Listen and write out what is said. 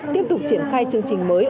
tiếp tục triển khai chương trình mới